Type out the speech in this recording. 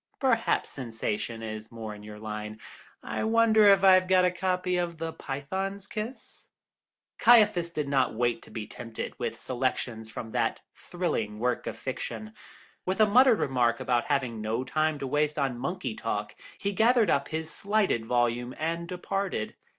Perhaps sensation is more in your line. I wonder if I've got a copy of The Python's Kiss." Caiaphas did not wait to be tempted with selections from that thrilling work of fiction. With a muttered remark about having no time to waste on monkey talk, he gathered up his slighted volume and departed.